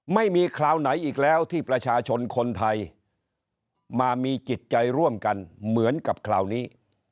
ไม่มีคราวไหนอีกแล้วที่ประชาชนคนไทยมามีจิตใจร่วมกันเหมือนกับคราวนี้